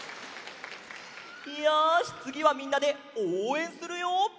よしつぎはみんなでおうえんするよ！